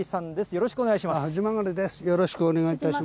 よろしくお願いします。